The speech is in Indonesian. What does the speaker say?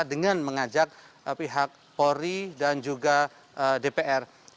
dengan mengajak pihak polri dan juga dpr